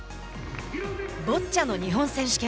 ボッチャの日本選手権。